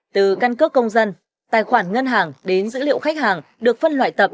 từ căn cước công dân tài khoản ngân hàng đến dữ liệu khách hàng được phân loại tập